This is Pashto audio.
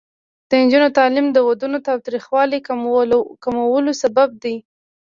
د نجونو تعلیم د ودونو تاوتریخوالي کمولو سبب دی.